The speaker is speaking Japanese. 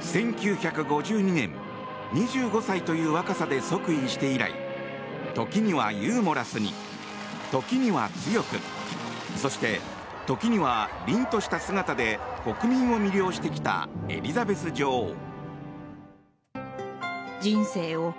１９５２年、２５歳という若さで即位して以来時にはユーモラスに時には強くそして、時には凛とした姿で国民を魅了してきたエリザベス女王。